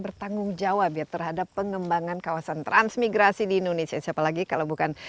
bertanggung jawab ya terhadap pengembangan kawasan transmigrasi di indonesia siapa lagi kalau bukan